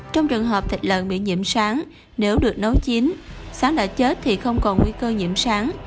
trong trường hợp thịt lợn bị nhiễm sán nếu được nấu chín sán đã chết thì không còn nguy cơ nhiễm sán